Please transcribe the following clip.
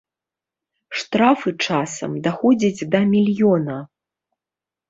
Штрафы часам даходзяць да мільёна.